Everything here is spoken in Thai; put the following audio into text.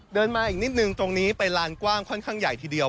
เดินมาอีกนิดนึงตรงนี้เป็นลานกว้างค่อนข้างใหญ่ทีเดียว